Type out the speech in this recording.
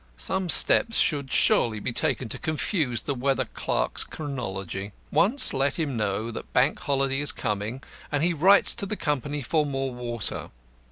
Some steps should surely be taken to confuse the weather clerk's chronology. Once let him know that Bank Holiday is coming, and he writes to the company for more water.